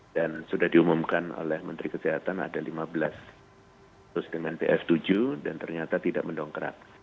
dan sudah diumumkan oleh menteri kesehatan ada lima belas sistem nps tujuh dan ternyata tidak mendongkrak